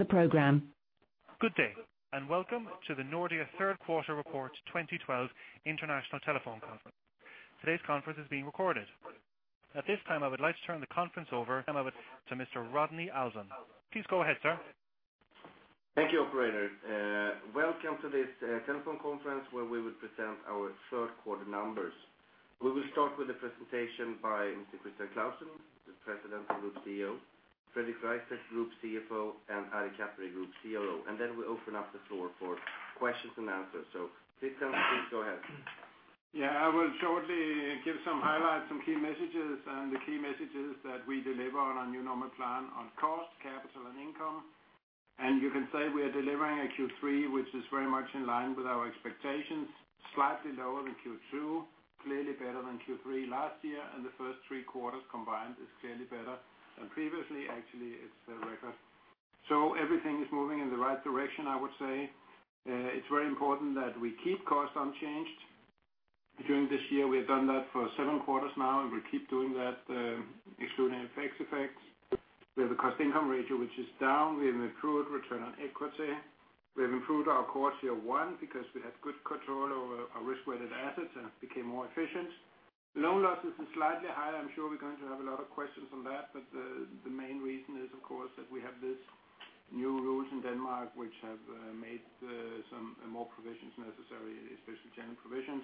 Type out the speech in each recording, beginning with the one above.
Good day, welcome to the Nordea Bank third quarter report 2012 international telephone conference. Today's conference is being recorded. At this time, I would like to turn the conference over to Mr. Rodney Alfvén. Please go ahead, sir. Thank you, operator. Welcome to this telephone conference where we will present our third quarter numbers. We will start with the presentation by Mr. Christian Clausen, the President and Group CEO, Fredrik Rystedt, Group CFO, and Ari Kaperi, Group CRO, and then we open up the floor for questions and answers. Christian, please go ahead. I will shortly give some highlights, some key messages. The key message is that we deliver on our new normal plan on cost, capital, and income. You can say we are delivering a Q3, which is very much in line with our expectations, slightly lower than Q2, clearly better than Q3 last year, and the first three quarters combined is clearly better than previously. Actually, it's a record. Everything is moving in the right direction, I would say. It's very important that we keep costs unchanged. During this year, we have done that for seven quarters now, and we'll keep doing that, excluding FX effects. We have a cost-income ratio which is down. We have improved return on equity. We have improved our Core Tier 1 because we had good control over our risk-weighted assets and have become more efficient. Loan losses is slightly higher. I'm sure we're going to have a lot of questions on that, but the main reason is, of course, that we have these new rules in Denmark which have made some more provisions necessary, especially general provisions.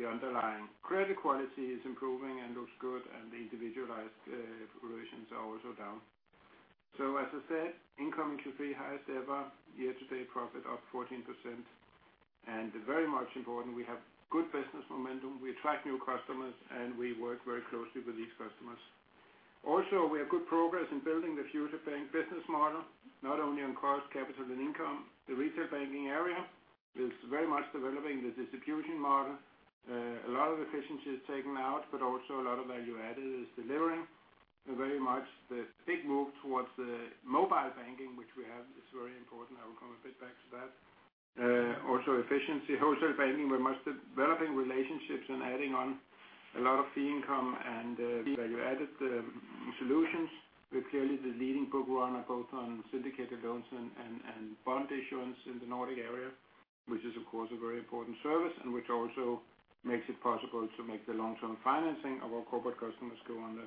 The underlying credit quality is improving and looks good, and the individualized provisions are also down. As I said, income in Q3 highest ever. Year-to-date profit up 14%. Very much important, we have good business momentum. We attract new customers, and we work very closely with these customers. Also, we have good progress in building the future bank business model, not only on cost, capital, and income. The retail banking area is very much developing the distribution model. A lot of efficiency is taken out, but also a lot of value add is delivering very much the big move towards the mobile banking, which we have. It's very important. I will come a bit back to that. Also efficiency, wholesale banking, we're much developing relationships and adding on a lot of fee income and value-added solutions. We're clearly the leading bookrunner both on syndicated loans and bond issuance in the Nordic area, which is, of course, a very important service and which also makes it possible to make the long-term financing of our corporate customers go on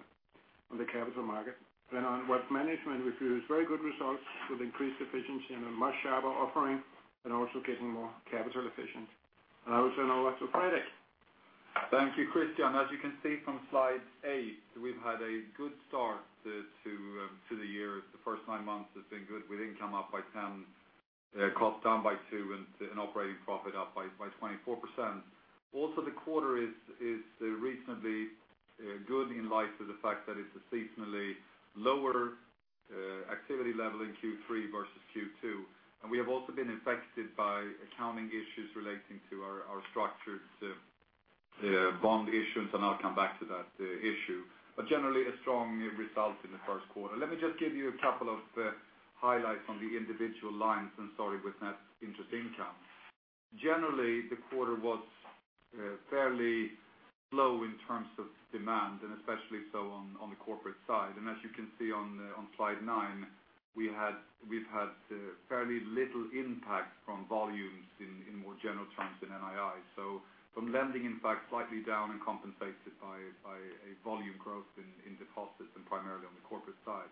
the capital market. On wealth management, we've used very good results with increased efficiency and a much sharper offering and also getting more capital efficient. I would turn over to Fredrik. Thank you, Christian. As you can see from slide eight, we've had a good start to the year. The first nine months has been good, with income up by € 10, cost down by two, and operating profit up by 24%. Also, the quarter is reasonably good in light of the fact that it's a seasonally lower activity level in Q3 versus Q2. We have also been affected by accounting issues relating to our structured bond issuance, and I'll come back to that issue. Generally, a strong result in the first quarter. Let me just give you a couple of highlights on the individual lines and start it with net interest income. Generally, the quarter was fairly low in terms of demand, and especially so on the corporate side. As you can see on slide 9, we've had fairly little impact from volumes in more general terms in NII. From lending, in fact, slightly down and compensated by a volume growth in deposits and primarily on the corporate side.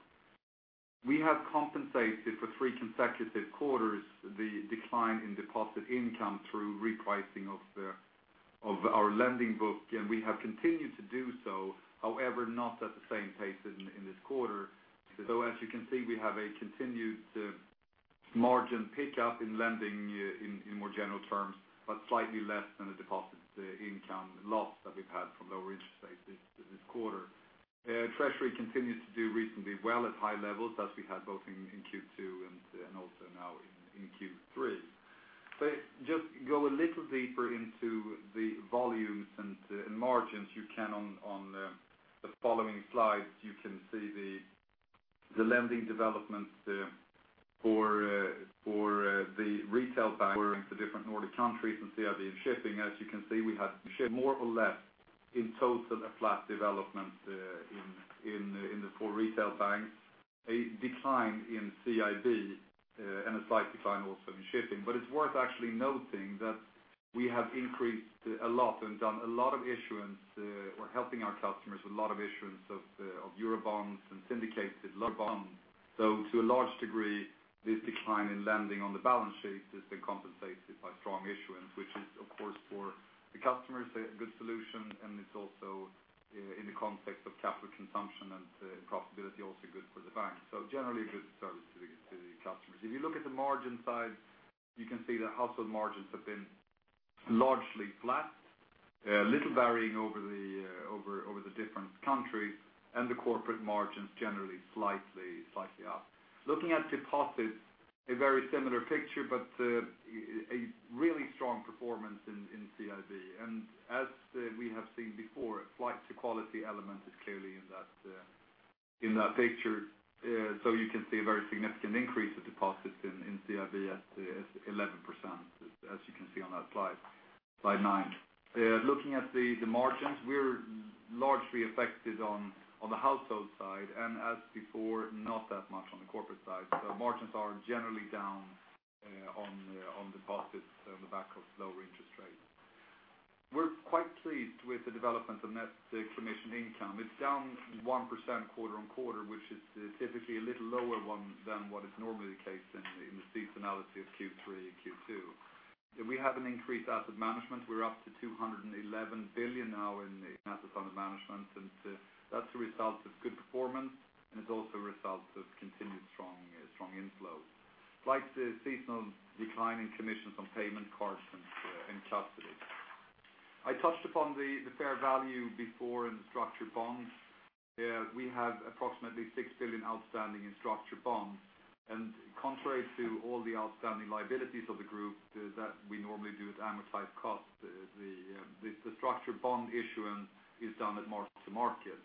We have compensated for three consecutive quarters the decline in deposit income through repricing of our lending book, and we have continued to do so, however, not at the same pace in this quarter. As you can see, we have a continued margin pickup in lending in more general terms, but slightly less than the deposit income loss that we've had from lower interest rates this quarter. Treasury continues to do reasonably well at high levels as we had both in Q2 and also now in Q3. Just go a little deeper into the volumes and margins. On the following slides, you can see the lending developments for the retail bank, the different Nordic countries, and CIB Shipping. As you can see, we have more or less in total a flat development in the four retail banks, a decline in CIB, and a slight decline also in Shipping. It's worth actually noting that we have increased a lot and done a lot of issuance. We're helping our customers a lot of issuance of €obonds and syndicated loans. To a large degree, this decline in lending on the balance sheet has been compensated by strong issuance, which is, of course, for the customers, a good solution, and it's also in the context of capital consumption and profitability, also good for the bank. Generally a good service to the customers. If you look at the margin side, you can see the household margins have been largely flat, a little varying over the different countries, and the corporate margins generally slightly up. Looking at deposits, a very similar picture, a really strong performance in CIB. As we have seen before, a flight-to-quality element is clearly in that picture. You can see a very significant increase of deposits in CIB at 11%, as you can see on that slide. Slide nine. Looking at the margins, we're largely affected on the household side, and as before, not that much on the corporate side. Margins are generally down on deposits on the back of lower interest rates. We're quite pleased with the development of net commission income. It's down 1% quarter-on-quarter, which is typically a little lower than what is normally the case in the seasonality of Q3 and Q2. We have an increased asset management. We're up to € 211 billion now in assets under management, and that's a result of good performance, and it's also a result of continued strong inflows. Slight seasonal decline in commissions on payment cards and custody. I touched upon the net fair value before in structured bonds. We have approximately €6 billion outstanding in structured bonds and contrary to all the outstanding liabilities of the group that we normally do with amortized cost, the structured bond issuance is done at mark to market.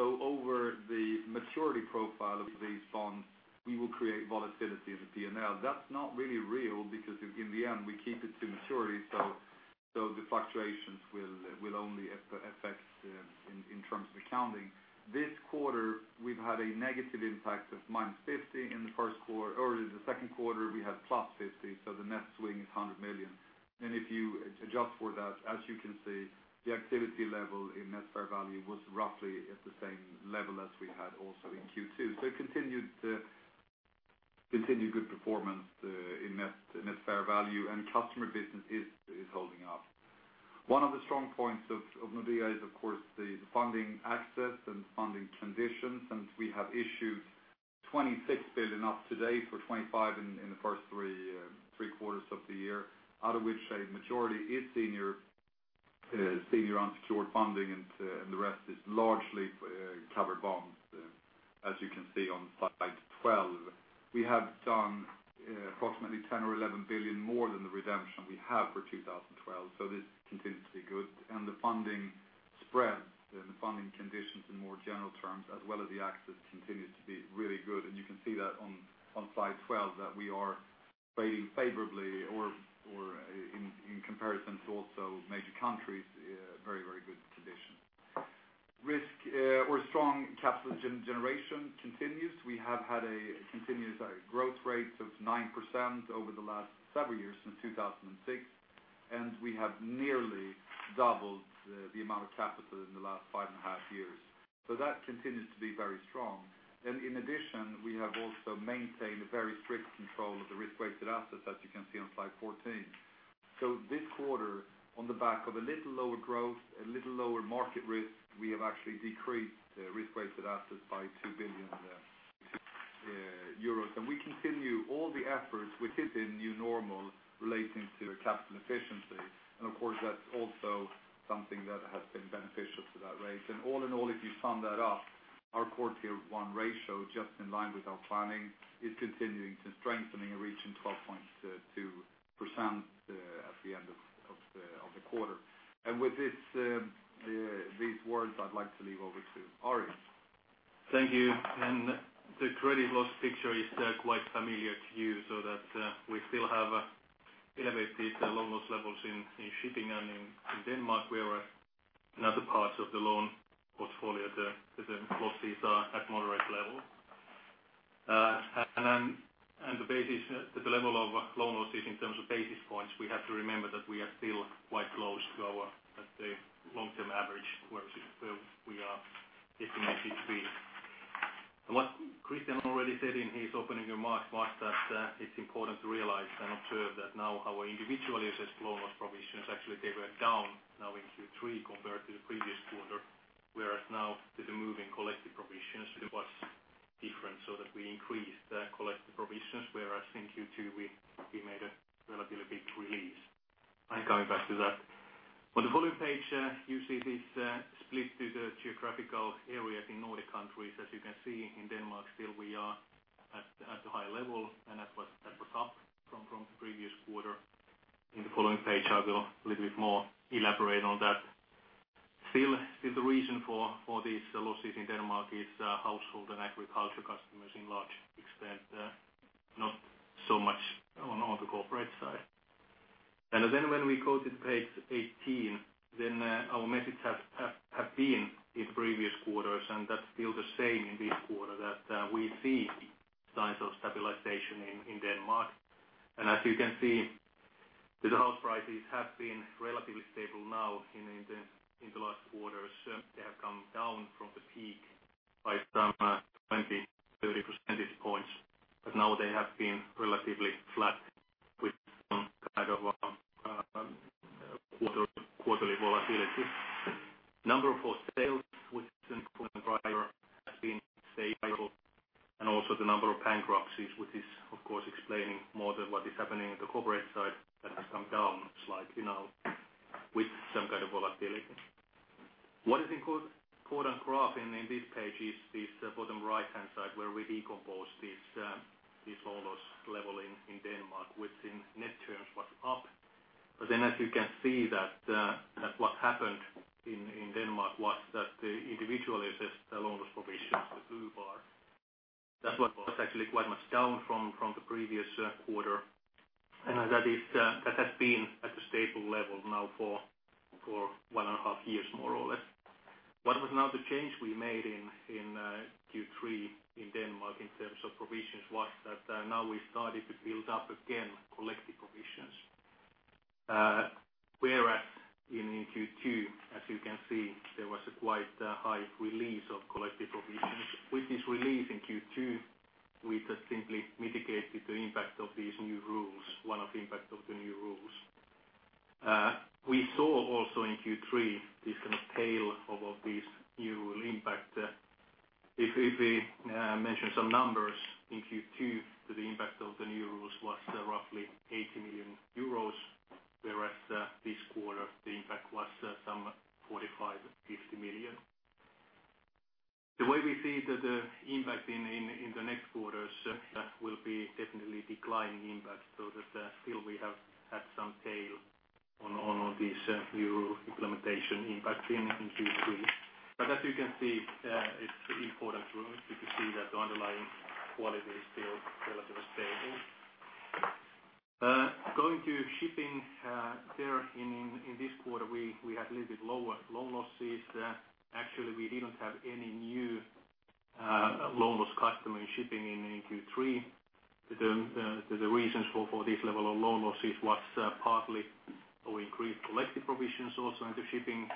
Over the maturity profile of these bonds, we will create volatility in the P&L. That's not really real because in the end, we keep it to maturity, so the fluctuations will only affect in terms of accounting. This quarter, we've had a negative impact of € -50 in the first quarter, or in the second quarter, we had € +50, the net swing is € 100 million. If you adjust for that, as you can see, the activity level in net fair value was roughly at the same level as we had also in Q2. Continued good performance in net fair value and customer business is holding up. One of the strong points of Nordea is, of course, the funding access and funding conditions. We have issued € 26 billion up to date for 2025 in the first three quarters of the year, out of which a majority is senior unsecured funding, and the rest is largely covered bonds, as you can see on slide 12. We have done approximately € 10 billion or € 11 billion more than the redemption we have for 2012. This continues to be good. The funding spread and the funding conditions in more general terms as well as the access continues to be really good. You can see that on Slide 12, that we are playing favorably or in comparison to also major countries, very good condition. Strong capital generation continues. We have had a continuous growth rate of 9% over the last several years since 2006. We have nearly doubled the amount of capital in the last five and a half years. That continues to be very strong. In addition, we have also maintained a very strict control of the risk-weighted assets, as you can see on slide 14. This quarter, on the back of a little lower growth, a little lower market risk, we have actually decreased risk-weighted assets by € 2 billion. We continue all the efforts within the new normal relating to capital efficiency. Of course, that's also something that has been beneficial to that rate. All in all, if you sum that up, our Core Tier 1 ratio, just in line with our planning, is continuing to strengthening and reaching 12.2% at the end of the quarter. With these words, I'd like to leave over to Ari. Thank you. The credit loss picture is quite familiar to you so that we still have elevated loan loss levels in shipping and in Denmark, where in other parts of the loan portfolio, the losses are at moderate level. The level of loan losses in terms of basis points, we have to remember that we are still quite close to our long-term average, where we are estimated to be. What Christian already said in his opening remarks was that it's important to realize and observe that now our individually assessed loan loss provisions, actually, they were down now in Q3 compared to the previous quarter, whereas now with the move in collective provisions, it was different so that we increased the collective provisions, whereas in Q2, we made a relatively big release. I'm coming back to that. On the following page, you see this split to the geographical areas in Nordic countries. As you can see, in Denmark still we are at a high level, that was up from the previous quarter. In the following page, I will elaborate a little bit more on that. Still, the reason for these losses in Denmark is household and agriculture customers in large extent, not so much on the corporate side. When we go to page 18, our message has been in previous quarters, and that's still the same in this quarter, that we see signs of stabilization in Denmark. As you can see, the house prices have been relatively stable now in the last quarters. They have come down from the peak by some 20, 30 percentage points. Now they have been relatively flat with some kind of quarterly volatility. Number of sales, which is an important driver, has been stable, the number of bankruptcies, which is of course explaining more than what is happening at the corporate side, that has come down slightly now with some kind of volatility. What is important graph in this page is this bottom right-hand side where we decompose this loan loss level in Denmark within net terms was up. As you can see that what happened in Denmark was that the individually assessed loan loss provisions, the blue bar, that's what was actually quite much down from the previous quarter. That has been at a stable level now for one and a half years, more or less. What was now the change we made in Q3 in Denmark in terms of provisions was that now we started to build up again collective provisions. Whereas in Q2, as you can see, there was a quite high release of collective provisions. With this release in Q2, we just simply mitigated the impact of these new rules, one of the impact of the new rules. We saw also in Q3, this tail of this new impact. If we mention some numbers, in Q2, the impact of the new rules was roughly € 80 million, whereas this quarter the impact was some €45 million, € 50 million. The way we see the impact in the next quarters, that will be definitely declining impact, still we have had some tail on this new implementation impact in Q3. As you can see, it's important to see that the underlying quality is still relatively stable. Going to shipping, there in this quarter, we had a little bit lower loan losses. Actually, we didn't have any new loan loss customer in shipping in Q3. The reasons for this level of loan losses was partly we increased collective provisions also into shipping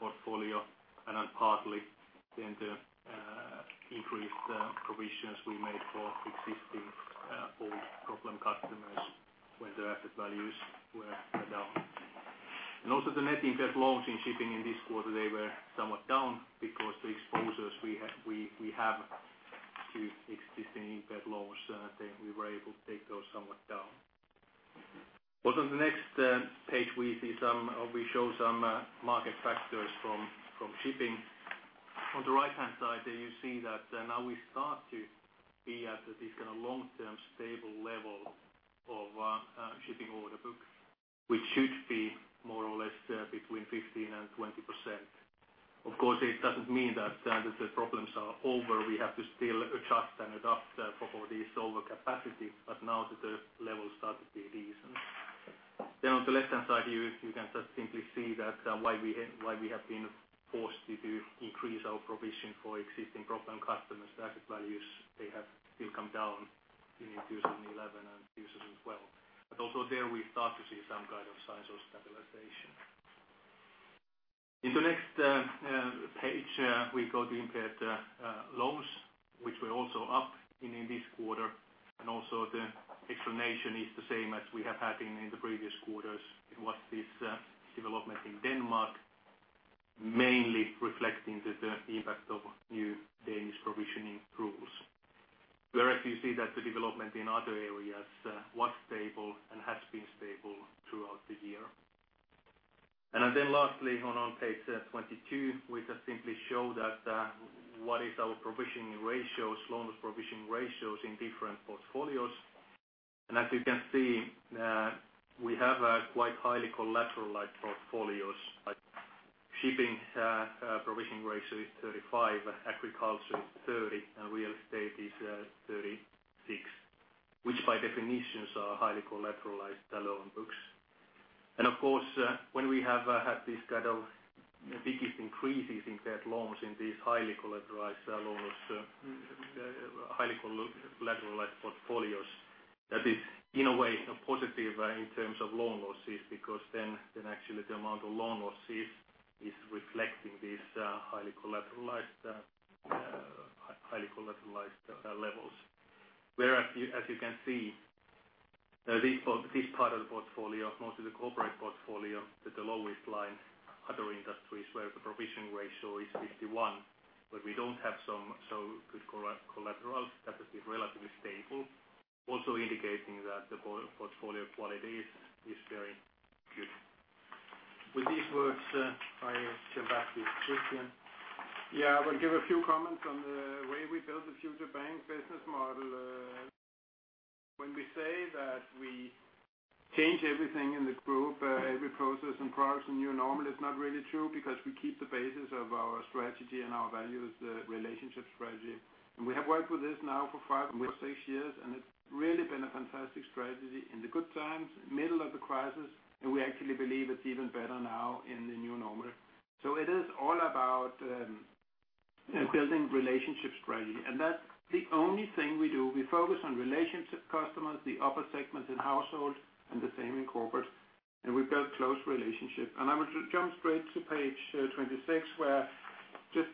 portfolio, partly the increased provisions we made for existing old problem customers when their asset values were down. The net impaired loans in shipping in this quarter, they were somewhat down because the exposures we have to existing impaired loans, I think we were able to take those somewhat down. On the next page, we show some market factors from shipping. On the right-hand side there you see that now we start to be at this long-term stable level of shipping order books, which should be more or less between 15% and 20%. Of course, it doesn't mean that the problems are over. We have to still adjust and adapt for this overcapacity, but now the levels start to be decent. On the left-hand side, you can just simply see that why we have been forced to increase our provision for existing problem customers' asset values. They have still come down in 2011 and 2012. Also there we start to see some signs of stabilization. In the next page, we go to impaired loans, which were also up in this quarter. The explanation is the same as we have had in the previous quarters. It was this development in Denmark, mainly reflecting the impact of new Danish provisioning rules. Whereas you see that the development in other areas was stable and has been stable throughout the year. Lastly, on page 22, we just simply show that what is our provisioning ratios, loan provisioning ratios in different portfolios. As you can see, we have a quite highly collateralized portfolios. Shipping provisioning ratio is 35, agriculture is 30, and real estate is 36, which by definition are highly collateralized loan books. Of course, when we have had this biggest increases in impaired loans in these highly collateralized portfolios, that is in a way a positive in terms of loan losses, because then actually the amount of loan losses is reflecting these highly collateralized levels. Whereas you can see, this part of the portfolio, most of the corporate portfolio, that the lowest line, other industries where the provision ratio is 51, where we don't have some so good collateral, that has been relatively stable, also indicating that the portfolio quality is very good. With these words, I'll share back to Christian. I will give a few comments on the way we build the future bank business model. When we say that we change everything in the group, every process and product to new normal is not really true because we keep the basis of our strategy and our values, the relationship strategy. We have worked with this now for five or six years, and it's really been a fantastic strategy in the good times, middle of the crisis, and we actually believe it's even better now in the new normal. It is all about building relationship strategy. That's the only thing we do. We focus on relationship customers, the upper segments in household, and the same in corporate. We build close relationship. I will jump straight to page 26, where just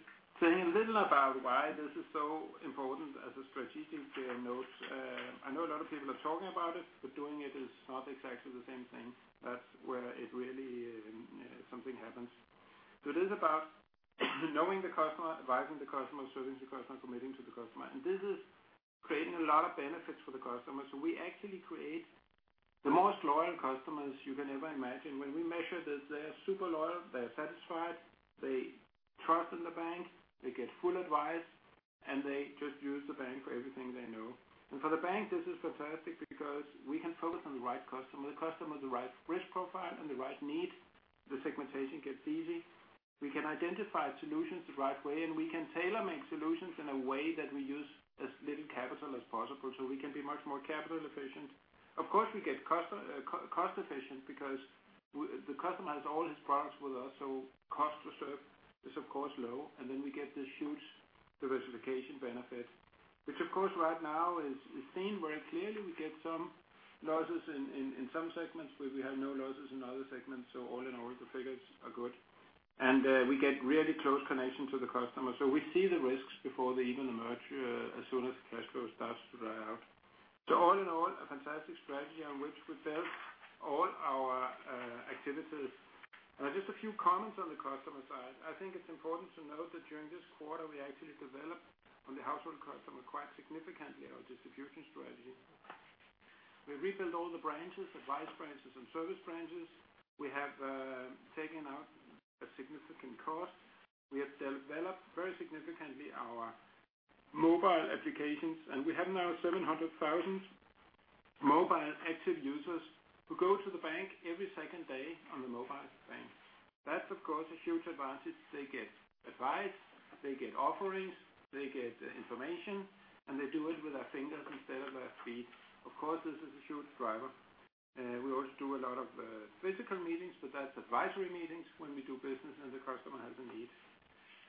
saying a little about why this is so important as a strategic note. I know a lot of people are talking about it, but doing it is not exactly the same thing. That's where it really something happens. It is about knowing the customer, advising the customer, serving the customer, committing to the customer. This is creating a lot of benefits for the customer. We actually create the most loyal customers you can ever imagine. When we measure this, they are super loyal, they are satisfied, they trust in the bank, they get full advice, and they just use the bank for everything. For the bank, this is fantastic because we can focus on the right customer, the customer with the right risk profile and the right need. The segmentation gets easy. We can identify solutions the right way, and we can tailor-make solutions in a way that we use as little capital as possible, so we can be much more capital efficient. Of course, we get cost-efficient because the customer has all his products with us, so cost to serve is of course low, and then we get this huge diversification benefit. Of course, right now is seen very clearly. We get some losses in some segments where we have no losses in other segments. All in all, the figures are good. We get really close connection to the customer, so we see the risks before they even emerge, as soon as cash flow starts to dry out. All in all, a fantastic strategy on which we sell all our activities. Just a few comments on the customer side. I think it's important to note that during this quarter we actually developed on the household customer quite significantly our distribution strategy. We rebuilt all the branches, advice branches, and service branches. We have taken out a significant cost. We have developed very significantly our mobile applications, and we have now 700,000 mobile active users who go to the bank every second day on the mobile bank. That's of course a huge advantage. They get advice, they get offerings, they get information, and they do it with their fingers instead of their feet. Of course, this is a huge driver. We also do a lot of physical meetings, but that's advisory meetings when we do business and the customer has a need.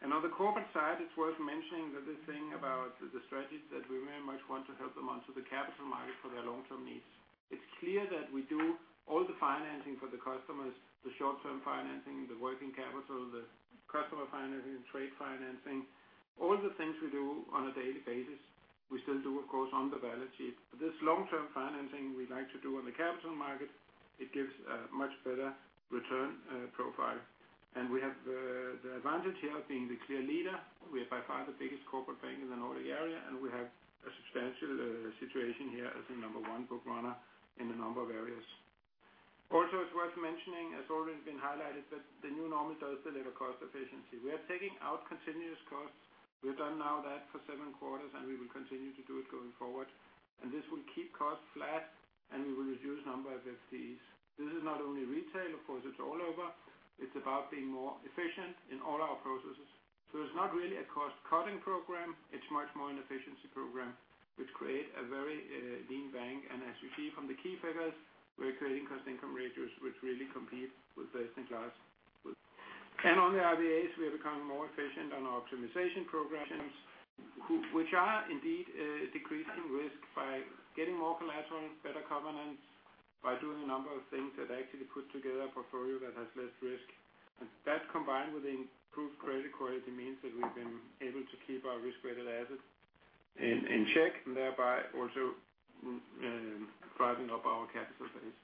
On the corporate side, it's worth mentioning that the thing about the strategy that we very much want to help them onto the capital market for their long-term needs. It's clear that we do all the financing for the customers, the short-term financing, the working capital, the customer financing, trade financing, all the things we do on a daily basis. We still do, of course, on the balance sheet. This long-term financing we like to do on the capital market. It gives a much better return profile. We have the advantage here of being the clear leader. We are by far the biggest corporate bank in the Nordic area, and we have a substantial situation here as the number 1 book runner in a number of areas. It's worth mentioning, as already been highlighted, that the new normal does deliver cost efficiency. We are taking out continuous costs. We've done now that for seven quarters, and we will continue to do it going forward. This will keep costs flat, and we will reduce number of FTEs. This is not only retail, of course, it's all over. It's about being more efficient in all our processes. It's not really a cost-cutting program. It's much more an efficiency program, which create a very lean bank. As you see from the key figures, we're creating cost-income ratios which really compete with best in class. On the RWAs, we are becoming more efficient on our optimization programs, which are indeed decreasing risk by getting more collateral, better covenants, by doing a number of things that actually put together a portfolio that has less risk. That combined with improved credit quality means that we've been able to keep our risk-weighted assets in check, and thereby also driving up our capital base.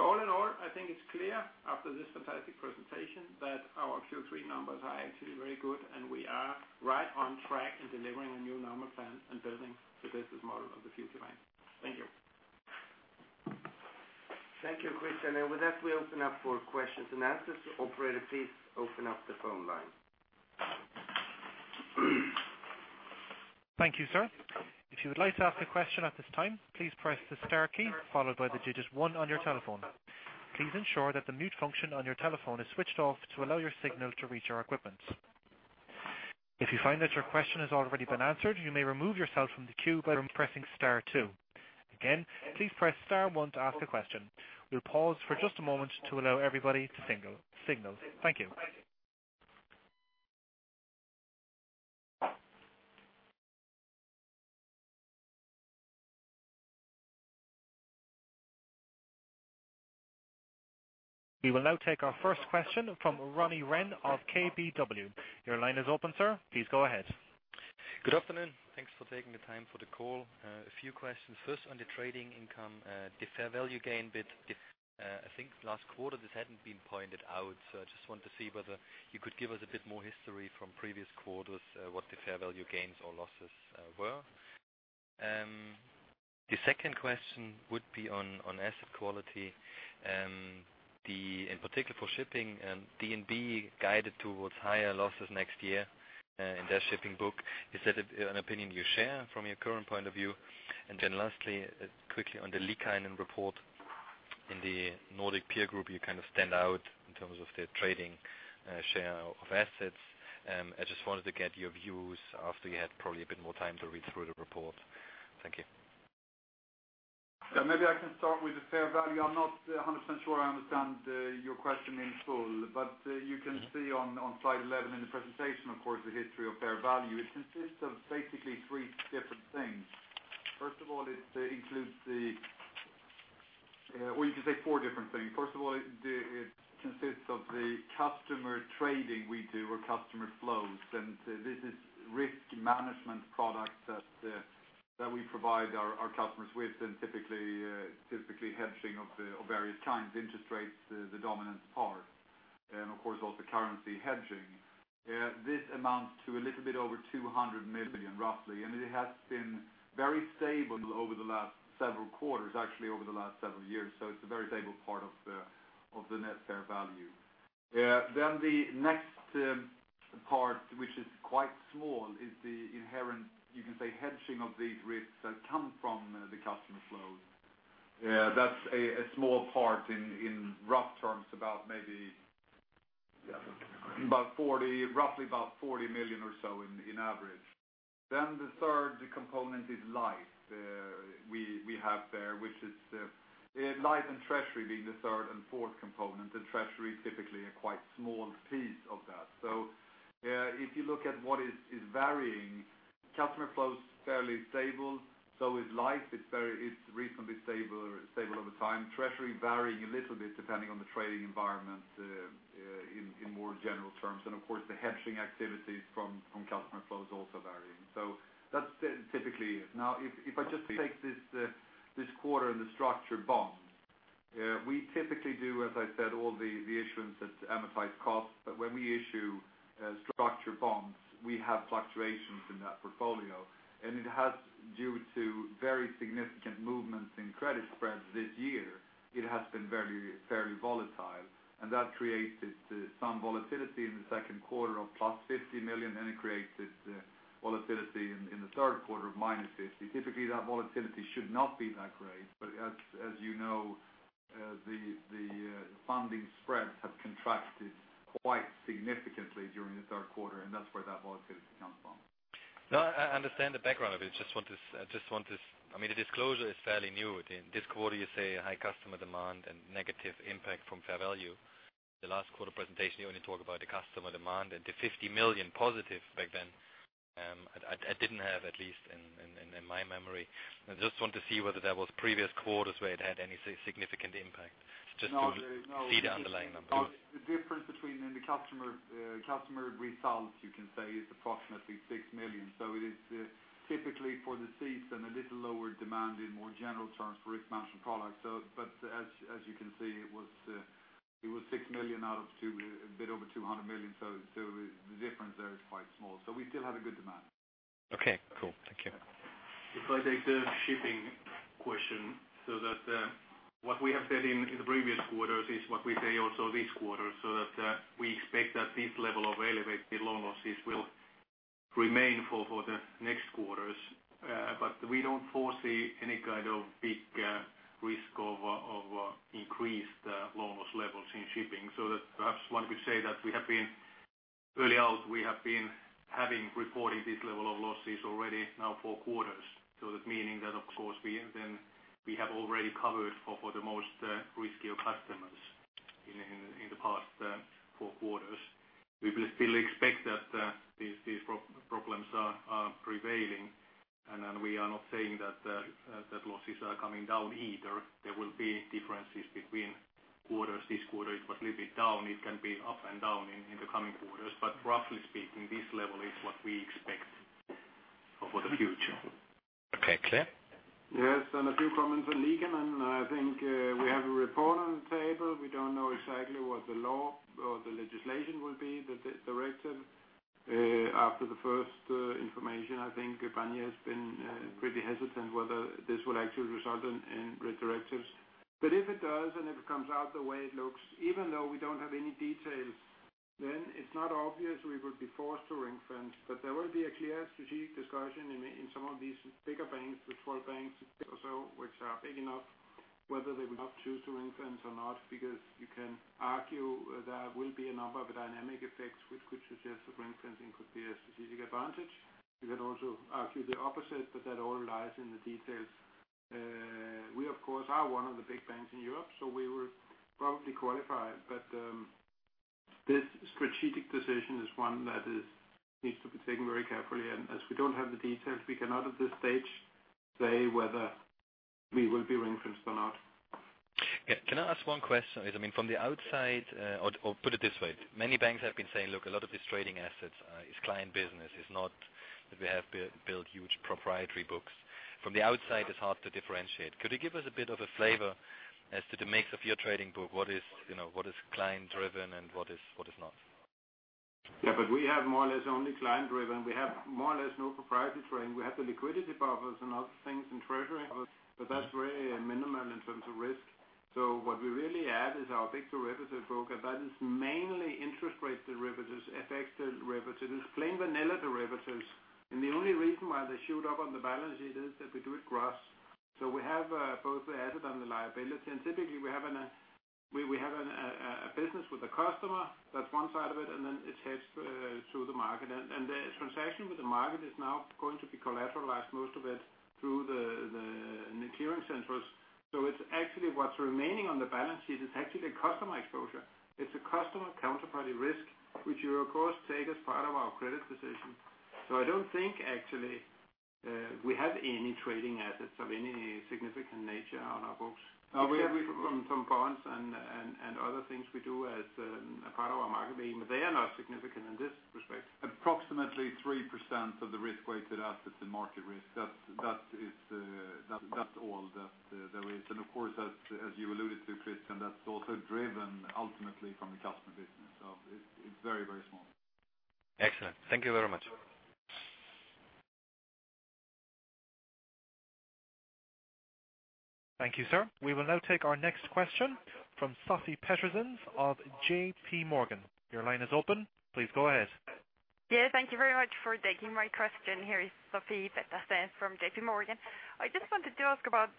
All in all, I think it's clear after this fantastic presentation that our Q3 numbers are actually very good, and we are right on track in delivering a new normal plan and building the business model of the future bank. Thank you. Thank you, Christian. With that, we open up for questions and answers. Operator, please open up the phone line. Thank you, sir. If you would like to ask a question at this time, please press the star key followed by the digit one on your telephone. Please ensure that the mute function on your telephone is switched off to allow your signal to reach our equipment. If you find that your question has already been answered, you may remove yourself from the queue by *2. Again, please press *1 to ask a question. We'll pause for just a moment to allow everybody to signal. Thank you. We will now take our first question from Ronit Ghose of Citi. Your line is open, sir. Please go ahead. Good afternoon. Thanks for taking the time for the call. A few questions. First on the trading income, the fair value gain bit. I think last quarter this hadn't been pointed out, so I just wanted to see whether you could give us a bit more history from previous quarters what the fair value gains or losses were. The second question would be on asset quality. In particular for shipping, DNB guided towards higher losses next year in their shipping book. Is that an opinion you share from your current point of view? Then lastly, quickly on the Liikanen report. In the Nordic peer group, you stand out in terms of the trading share of assets. I just wanted to get your views after you had probably a bit more time to read through the report. Thank you. I can start with the fair value. I'm not 100% sure I understand your question in full, you can see on slide 11 in the presentation, of course, the history of fair value. It consists of basically three different things. Or you could say four different things. First of all, it consists of the customer trading we do or customer flows, and this is risk management products that we provide our customers with, and typically hedging of various kinds. Interest rates is the dominant part. Of course also currency hedging. This amounts to a little bit over € 200 million roughly, and it has been very stable over the last several quarters, actually over the last several years. It's a very stable part of the net fair value. Yeah. The next part, which is quite small, is the inherent, you can say, hedging of these risks that come from the customer flows. That's a small part in rough terms, roughly about € 40 million or so in average. The third component is life we have there. Life and treasury being the third and fourth component. The treasury is typically a quite small piece of that. If you look at what is varying, customer flow is fairly stable. Is life. It's reasonably stable over time. Treasury varying a little bit depending on the trading environment in more general terms. Of course, the hedging activities from customer flow is also varying. That's typically it. Now, if I just take this quarter and the structured bond, we typically do, as I said, all the issuance at amortized cost. When we issue structured bonds, we have fluctuations in that portfolio, and due to very significant movements in credit spreads this year, it has been very volatile. That created some volatility in the second quarter of plus € 50 million, and it created volatility in the third quarter of minus € 50. Typically, that volatility should not be that great, as you know the funding spreads have contracted quite significantly during the third quarter, that's where that volatility comes from. No, I understand the background of it. The disclosure is fairly new. This quarter you say a high customer demand and negative impact from fair value. The last quarter presentation, you only talk about the customer demand and the € 50 million positive back then. I didn't have, at least in my memory. I just want to see whether there was previous quarters where it had any significant impact, just to see the underlying numbers. The difference between the customer results, you can say, is approximately €6 million. It is typically for the season, a little lower demand in more general terms for risk management products. As you can see, it was €6 million out of a bit over € 200 million. The difference there is quite small. We still had a good demand. Okay, cool. Thank you. If I take the shipping question, what we have said in the previous quarters is what we say also this quarter, we expect that this level of elevated loan losses will remain for the next quarters. We don't foresee any kind of big risk of increased loan loss levels in shipping. Perhaps one could say that early out we have been having reported this level of losses already now four quarters. Meaning that of course we have already covered for the most riskier customers in the past four quarters. We will still expect that these problems are prevailing, and we are not saying that losses are coming down either. There will be differences between quarters. This quarter it was a little bit down. It can be up and down in the coming quarters, roughly speaking, this level is what we expect for the future. Okay, clear. Yes, a few comments on Liikanen. I think we have a report on the table. We don't know exactly what the law or the legislation will be, the directive. After the first information, I think Barnier has been pretty hesitant whether this will actually result in directives. If it does, and if it comes out the way it looks, even though we don't have any details, then it's not obvious we would be forced to ring-fence. There will be a clear strategic discussion in some of these bigger banks, the 12 banks or so, which are big enough, whether they would opt to ring-fence or not, because you can argue there will be a number of dynamic effects which could suggest that ring-fencing could be a strategic advantage. You can also argue the opposite, but that all lies in the details. We, of course, are one of the big banks in €ope, we would probably qualify. This strategic decision is one that needs to be taken very carefully. As we don't have the details, we cannot at this stage say whether we will be ring-fenced or not. Yeah. Can I ask one question? I mean, from the outside, or put it this way, many banks have been saying, look, a lot of these trading assets is client business. It's not that we have built huge proprietary books. From the outside, it's hard to differentiate. Could you give us a bit of a flavor as to the mix of your trading book? What is client-driven and what is not? Yeah, we have more or less only client-driven. We have more or less no proprietary trading. We have the liquidity buffers and other things in treasury buffers, but that's very minimal in terms of risk. What we really add is our big derivative book, and that is mainly interest rate derivatives, FX derivatives. It is plain vanilla derivatives. The only reason why they shoot up on the balance sheet is that we do it gross. We have both the asset and the liability, and typically we have a business with a customer, that's one side of it, and then it heads through the market. The transaction with the market is now going to be collateralized, most of it, through the clearing centers. What's remaining on the balance sheet is actually a customer exposure. It's a customer counterparty risk, which we of course take as part of our credit decision. I don't think actually we have any trading assets of any significant nature on our books. We have some bonds and other things we do as a part of our market, even they are not significant in this respect. Approximately 3% of the risk-weighted assets in market risk. That's all that there is. Of course, as you alluded to, Christian, that's also driven ultimately from the customer business. It's very, very small. Excellent. Thank you very much. Thank you, sir. We will now take our next question from Sofie Peterzens of JP Morgan. Your line is open. Please go ahead. Yes, thank you very much for taking my question. Here is Sofie Peterzens from JP Morgan. I just wanted to ask about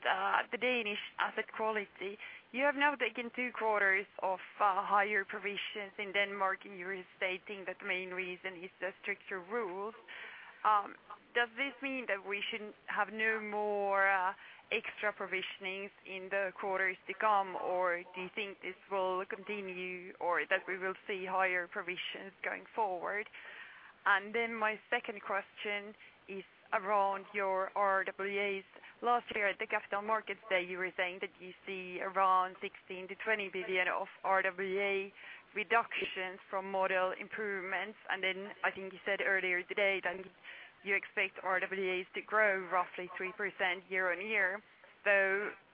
the Danish asset quality. You have now taken two quarters of higher provisions in Denmark, you're stating the main reason is the stricter rules. Does this mean that we should have no more extra provisionings in the quarters to come, or do you think this will continue or that we will see higher provisions going forward? My second question is around your RWAs. Last year at the Capital Markets Day, you were saying that you see around € 16 billion-€20 billion of RWA reductions from model improvements. I think you said earlier today that you expect RWAs to grow roughly 3% year-on-year.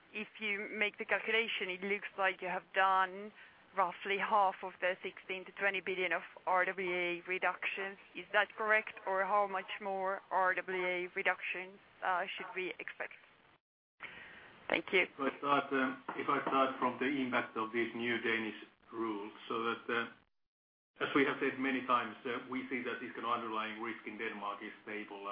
If you make the calculation, it looks like you have done roughly half of the € 16 billion-€20 billion of RWA reduction. Is that correct? How much more RWA reduction should we expect? Thank you. If I start from the impact of these new Danish rules. As we have said many times, we think that this underlying risk in Denmark is stable,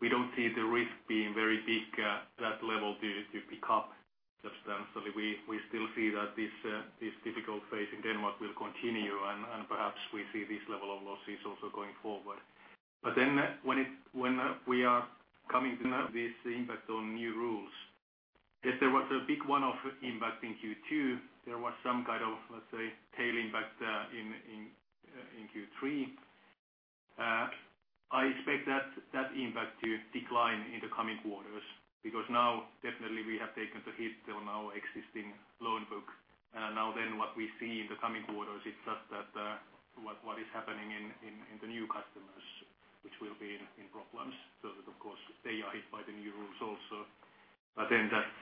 we don't see the risk being very big at that level to pick up substantially. We still see that this difficult phase in Denmark will continue, perhaps we see this level of losses also going forward. When we are coming to this impact on new rules, if there was a big one-off impact in Q2, there was some kind of, let's say, tail impact in Q3. I expect that impact to decline in the coming quarters, because now definitely we have taken the hit on our existing loan book. What we see in the coming quarters, it is just that what is happening in the new customers, which will be in problems. Of course, they are hit by the new rules also. That's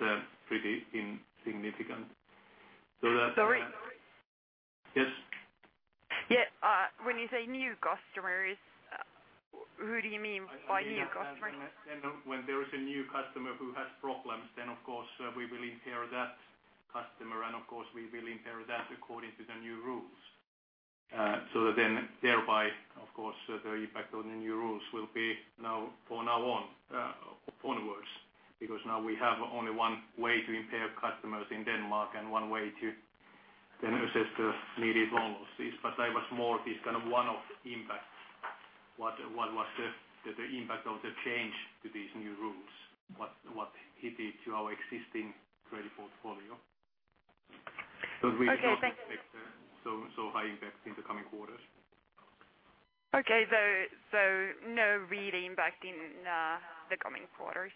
pretty insignificant. Sorry. Yes. When you say new customers, who do you mean by new customers? When there is a new customer who has problems, of course we will impair that customer, and of course we will impair that according to the new rules. Thereby, of course, the impact on the new rules will be for onwards. Now we have only one way to impair customers in Denmark and one way to assess the needed loan losses. That was more this one-off impact. What was the impact of the change to these new rules, what hit to our existing credit portfolio? Okay, thank you. We don't expect so high impact in the coming quarters. Okay. No real impact in the coming quarters.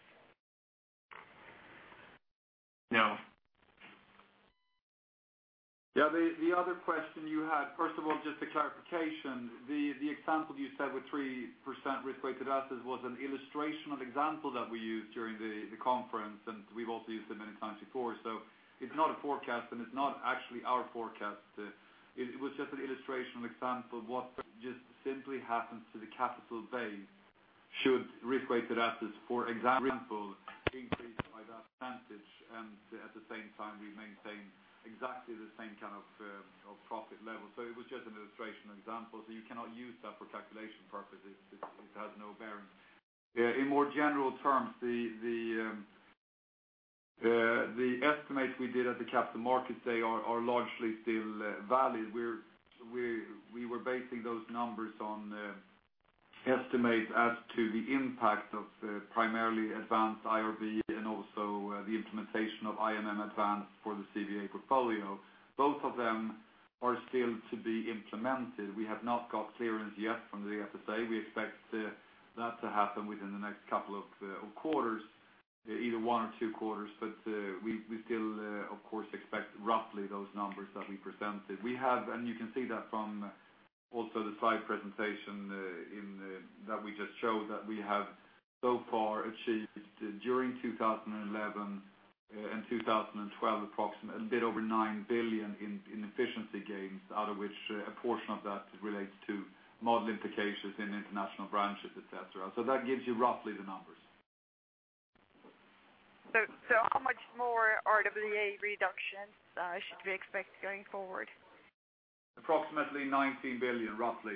No. The other question you had, first of all, just a clarification. The example you said with 3% risk-weighted assets was an illustrational example that we used during the conference, and we've also used it many times before. It's not a forecast, and it's not actually our forecast. It was just an illustrational example of what just simply happens to the capital base should risk-weighted assets, for example, increase by that percentage and at the same time we maintain exactly the same kind of profit level. It was just an illustrational example, so you cannot use that for calculation purposes. It has no bearing. In more general terms, the estimate we did at the Capital Markets Day are largely still valid. We were basing those numbers on estimates as to the impact of primarily advanced IRB and also the implementation of IMM advanced for the CVA portfolio. Both of them are still to be implemented. We have not got clearance yet from the FSA. We expect that to happen within the next couple of quarters, either one or two quarters. We still, of course, expect roughly those numbers that we presented. We have, and you can see that from also the slide presentation that we just showed, that we have so far achieved during 2011 and 2012, a bit over €9 billion in efficiency gains, out of which a portion of that relates to model implications in international branches, et cetera. That gives you roughly the numbers. How much more RWA reduction should we expect going forward? Approximately €19 billion, roughly,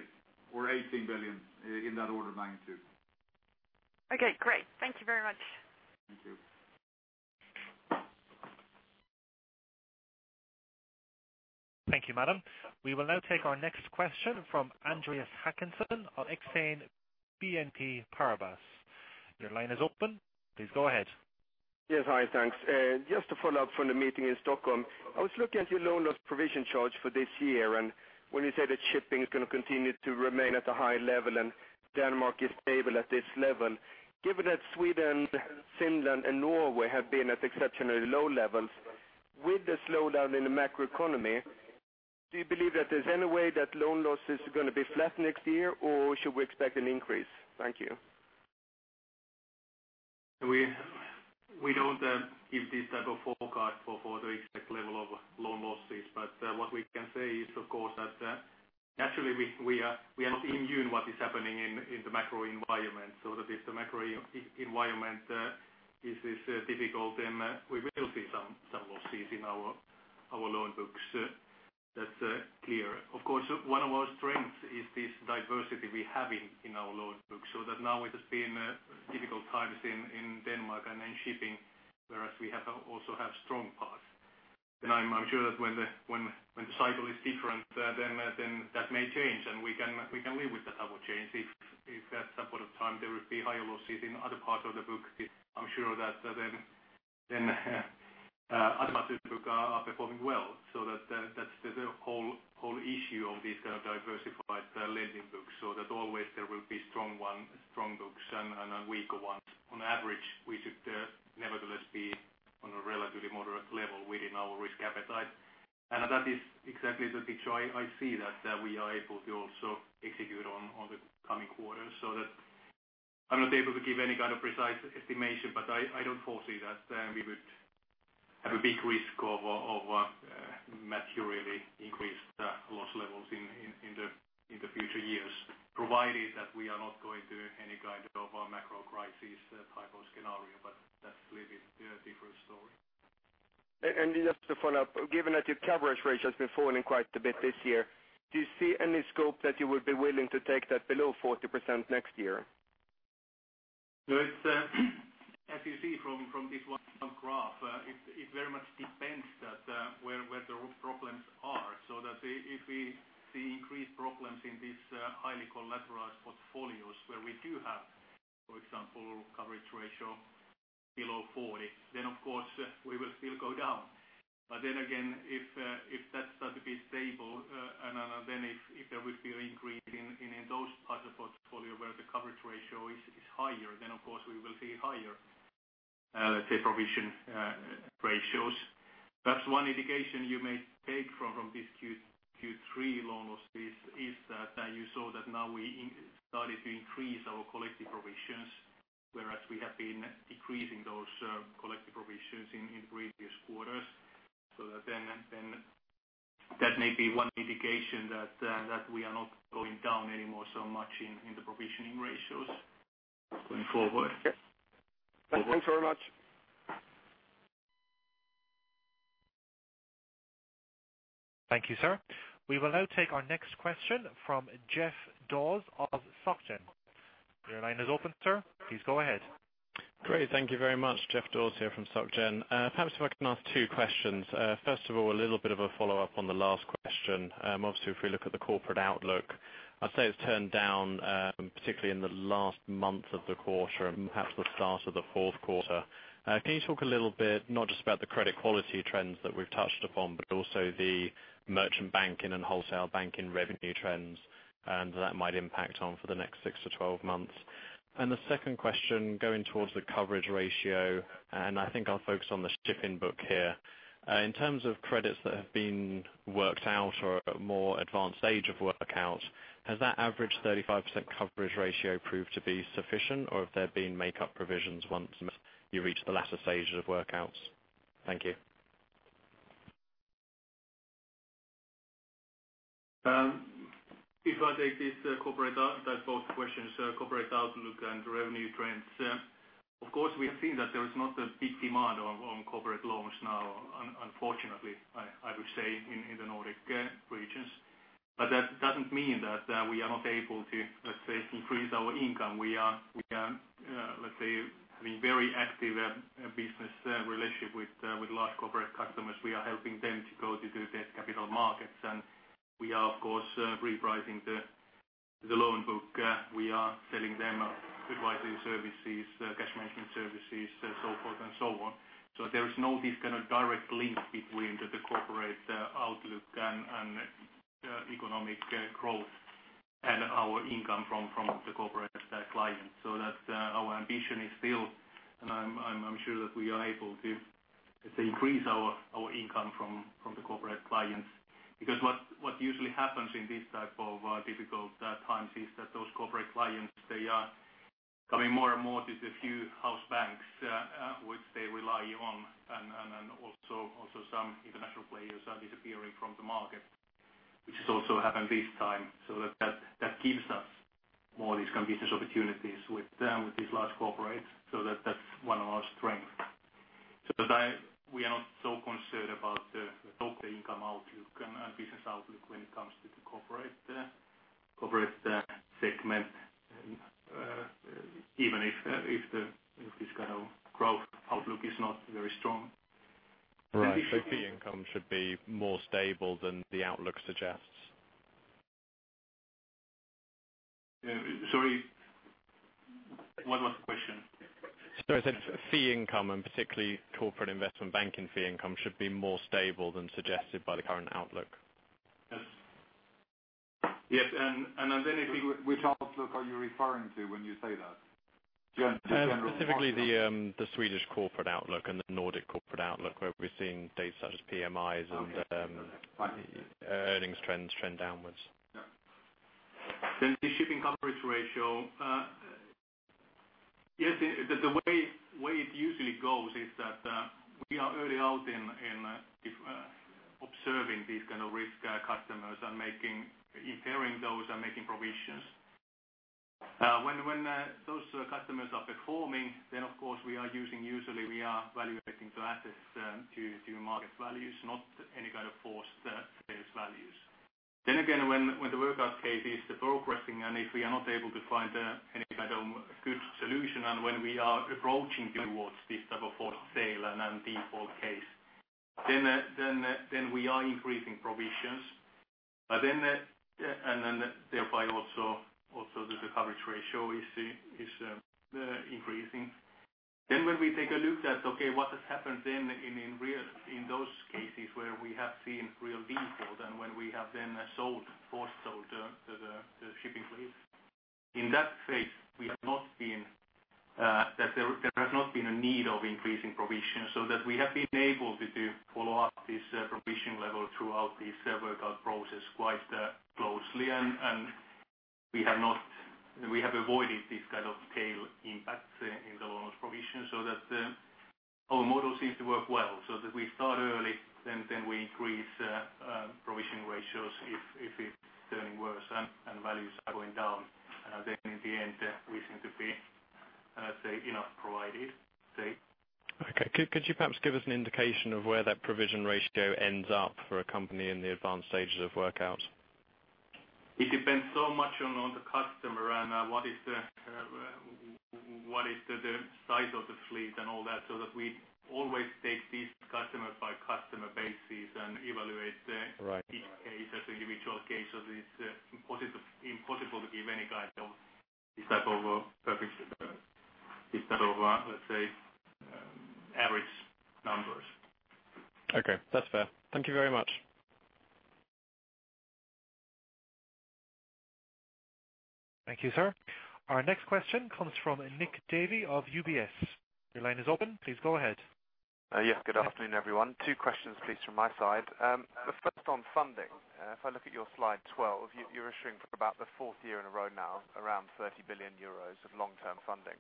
or €18 billion in that order of magnitude. Okay, great. Thank you very much. Thank you. Thank you, madam. We will now take our next question from Andreas Hakansson of Exane BNP Paribas. Your line is open. Please go ahead. Yes. Hi, thanks. Just to follow up from the meeting in Stockholm. I was looking at your loan loss provision charge for this year, and when you say that shipping is going to continue to remain at a high level and Denmark is stable at this level. Given that Sweden, Finland, and Norway have been at exceptionally low levels with the slowdown in the macroeconomy, do you believe that there's any way that loan losses are going to be flat next year, or should we expect an increase? Thank you. We don't give this type of forecast for the exact level of loan losses. What we can say is, of course, that naturally, we are not immune to what is happening in the macro environment. If the macro environment is this difficult, then we will see some losses in our loan books. That's clear. Of course, one of our strengths is this diversity we have in our loan books, so that now it has been difficult times in Denmark and in shipping, whereas we also have strong parts. I'm sure that when the cycle is different, then that may change, and we can live with that type of change. If at some point of time there will be higher losses in other parts of the book, I'm sure that then other parts of the book are performing well. That's the whole issue of these kind of diversified lending books, that always there will be strong books and weaker ones. On average, we should nevertheless be on a relatively moderate level within our risk appetite. That is exactly the picture I see that we are able to also execute on the coming quarters, that I'm not able to give any kind of precise estimation, but I don't foresee that then we would have a big risk of materially increased loss levels in the future years, provided that we are not going to any kind of a macro crisis type of scenario, but that's really a different story. Just to follow up, given that your coverage ratio has been falling quite a bit this year, do you see any scope that you would be willing to take that below 40% next year? As you see from this one graph, it very much depends where the problems are. If we see increased problems in these highly collateralized portfolios where we do have, for example, coverage ratio below 40%, then of course we will still go down. Again, if that starts to be stable, if there will be an increase in those parts of portfolio where the coverage ratio is higher, then of course we will see higher, let's say, provision ratios. That's one indication you may take from this Q3 loan losses is that you saw that now we started to increase our collective provisions, whereas we have been decreasing those collective provisions in previous quarters. That may be one indication that we are not going down anymore so much in the provisioning ratios going forward. Okay. Thanks very much. Thank you, sir. We will now take our next question from Geoff Dawes of Société Générale. Your line is open, sir. Please go ahead. Great. Thank you very much, Geoff Dawes here from Société Générale. Perhaps if I can ask two questions. First of all, a little bit of a follow-up on the last question. Obviously, if we look at the corporate outlook, I'd say it's turned down, particularly in the last month of the quarter and perhaps the start of the fourth quarter. Can you talk a little bit, not just about the credit quality trends that we've touched upon, but also the merchant banking and wholesale banking revenue trends and that might impact on for the next six to 12 months? The second question, going towards the coverage ratio, and I think I'll focus on the shipping book here. In terms of credits that have been worked out or at more advanced stage of work out, has that average 35% coverage ratio proved to be sufficient or have there been make up provisions once you reach the latter stages of work outs? Thank you. If I take both questions, corporate outlook and revenue trends. Of course, we have seen that there is not a big demand on corporate loans now, unfortunately, I would say, in the Nordic regions. That doesn't mean that we are not able to, let's say, increase our income. We are, let's say, having very active business relationship with large corporate customers. We are helping them to go to the debt capital markets, we are of course, repricing the loan book. We are selling them advisory services, cash management services, so forth and so on. There is no this kind of direct link between the corporate outlook and economic growth and our income from the corporate clients. That our ambition is still, and I'm sure that we are able to, let's say, increase our income from the corporate clients. What usually happens in this type of difficult times is that those corporate clients, they are coming more and more to the few house banks, which they rely on. Also some international players are disappearing from the market, which has also happened this time. That gives us more of these kind of business opportunities with these large corporates. That's one of our strengths. That we are not so concerned about the top line income outlook and business outlook when it comes to the corporate segment, even if this kind of growth outlook is not very strong. Right. Fee income should be more stable than the outlook suggests. Sorry, what was the question? I said fee income, and particularly Corporate Investment Banking fee income should be more stable than suggested by the current outlook. Yes. Which outlook are you referring to when you say that? Just specifically the Swedish corporate outlook and the Nordic corporate outlook, where we're seeing data such as PMIs and earnings trends trend downwards. Yeah. The shipping coverage ratio Yes. The way it usually goes is that we are early out in observing these kind of risk customers and impairing those and making provisions. When those customers are performing, then, of course, we are using usually we are valuating assets to market values, not any kind of forced sales values. Again, when the workout case is progressing, and if we are not able to find any kind of good solution, and when we are approaching towards this type of forced sale and default case, then we are increasing provisions. Thereby also the coverage ratio is increasing. When we take a look at, okay, what has happened then in those cases where we have seen real default and when we have then forced sold the shipping fleet. In that phase there has not been a need of increasing provisions, so that we have been able to follow up this provision level throughout this workout process quite closely, and we have avoided this kind of tail impact in the loans provision so that our model seems to work well, so that we start early, then we increase provision ratios if it's turning worse and values are going down. Then in the end, we seem to be enough provided. Okay. Could you perhaps give us an indication of where that provision ratio ends up for a company in the advanced stages of workout? It depends so much on the customer and what is the size of the fleet and all that, so that we always take these customer by customer basis and evaluate. Right each case as individual cases. It's impossible to give any kind of this type of, let's say, average numbers. Okay. That's fair. Thank you very much. Thank you, sir. Our next question comes from Nick Davey of UBS. Your line is open. Please go ahead. Yes. Good afternoon, everyone. Two questions, please, from my side. The first on funding. If I look at your slide 12, you're issuing for about the fourth year in a row now around €30 billion of long-term funding.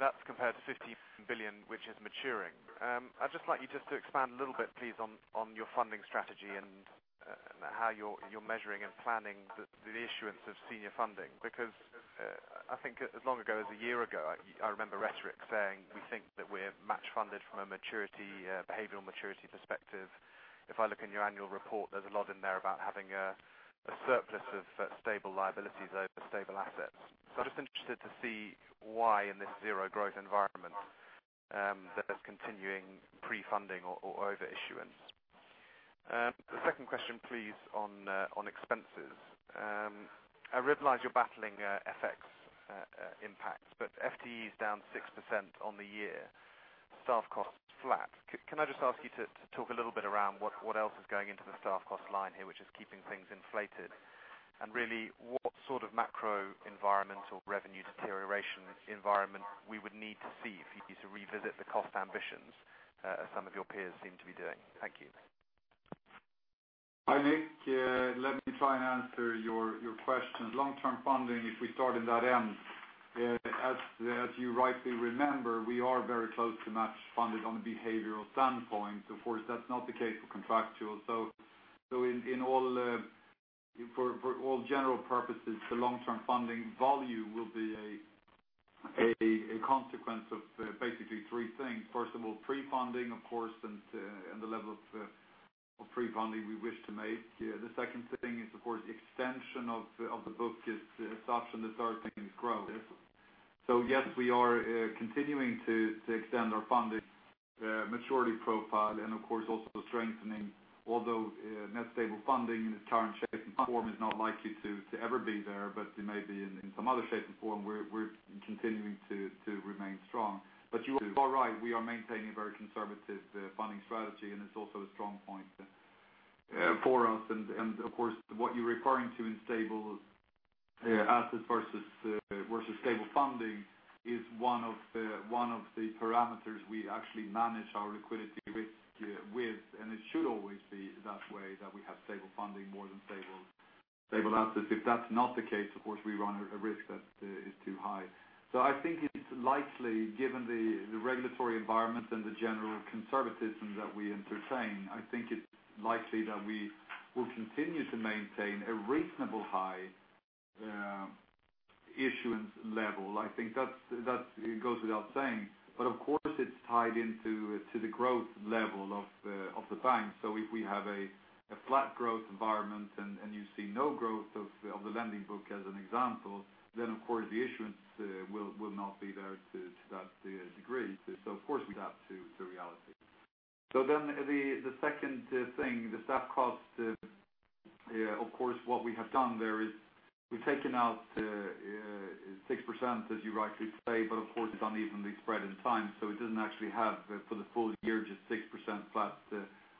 That's compared to €15 billion, which is maturing. I'd just like you just to expand a little bit, please, on your funding strategy and how you're measuring and planning the issuance of senior funding, because I think as long ago as a year ago, I remember rhetoric saying, we think that we're match funded from a behavioral maturity perspective. If I look in your annual report, there's a lot in there about having a surplus of stable liabilities over stable assets. I'm just interested to see why in this zero growth environment there's continuing pre-funding or over issuance. The second question, please, on expenses. I realize you're battling FX impacts, FTE is down 6% on the year. Staff costs flat. Can I just ask you to talk a little bit around what else is going into the staff cost line here, which is keeping things inflated? Really, what sort of macro environment or revenue deterioration environment we would need to see for you to revisit the cost ambitions as some of your peers seem to be doing? Thank you. Hi, Nick. Let me try and answer your questions. Long-term funding, if we start in that end, as you rightly remember, we are very close to match funded on a behavioral standpoint. Of course, that's not the case for contractual. For all general purposes, the long-term funding volume will be a consequence of basically 3 things. First of all, pre-funding, of course, and the level of pre-funding we wish to make. The second thing is, of course, extension of the book is such and such, and it's growing. Yes, we are continuing to extend our funding maturity profile and of course also strengthening, although net stable funding in its current shape and form is not likely to ever be there, but it may be in some other shape and form, we're continuing to remain strong. You are right, we are maintaining a very conservative funding strategy, and it's also a strong point for us. Of course, what you're referring to in stable assets versus stable funding is one of the parameters we actually manage our liquidity risk with, and it should always be that way that we have stable funding more than stable assets. If that's not the case, of course, we run a risk that is too high. I think it's likely, given the regulatory environment and the general conservatism that we entertain, I think it's likely that we will continue to maintain a reasonable high issuance level. I think that goes without saying. Of course, it's tied into the growth level of the bank. If we have a flat growth environment and you see no growth of the lending book as an example, then of course the issuance will not be there to that degree. Of course, we adapt to reality. The second thing, the staff cost, of course, what we have done there is we've taken out 6%, as you rightly say, but of course, it's unevenly spread in time, so it doesn't actually have for the full year just 6% flat